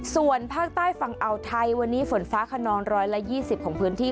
ส่วนภาคใต้ฝั่งอ่าวไทยวันนี้ฝนฟ้าขนอง๑๒๐ของพื้นที่